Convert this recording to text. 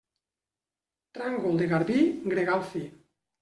Tràngol de garbí, gregal fi.